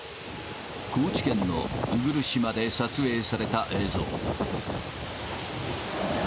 高知県の鵜来島で撮影された映像。